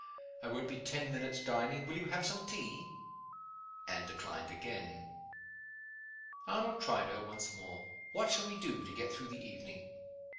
"I won't be ten minutes dining. Will you have some tea?" Anne declined again. Arnold tried her once more. "What shall we do to get through the evening?"